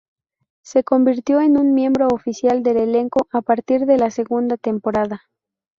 Se convirtió en un miembro oficial del elenco a partir de la segunda temporada.